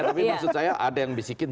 tapi maksud saya ada yang bisikin